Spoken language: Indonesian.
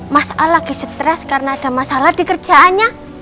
mas al lagi stres karena ada masalah di kerjaannya